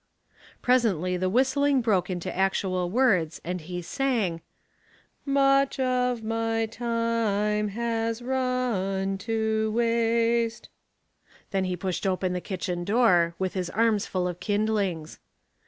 Presently the whistling broke into actual words, and he sang, —" Much of my time has run to waste.'* 366 Household Puzzles, Then he pushed open the kitchen door, with his arms full of kindlings.